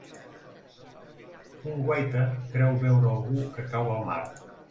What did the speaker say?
Un guaita creu veure algú que cau a mar.